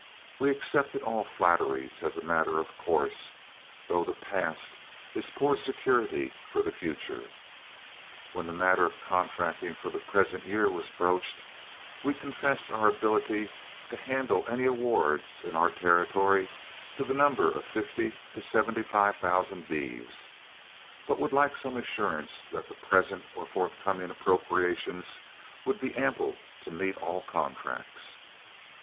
We accepted all flatteries as a matter of course, though the past is poor security for the future. When the matter of contracting for the present year was broached, we confessed our ability to handle any awards in our territory to the number of fifty to seventy five thousand beeves, but would like some assurance that the present or forthcoming appropriations would be ample to meet all contracts.